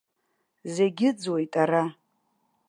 Зегь ыӡуеит ара.